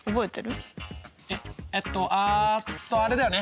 えっえっとあっとあれだよね